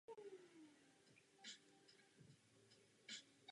Režii mluveného slova obstaral Dušan Hanák.